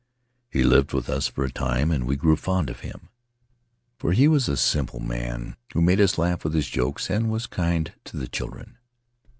He lived with us for a time and we grew fond of him, for he was a simple man, who made us laugh with his jokes and was kind to the children.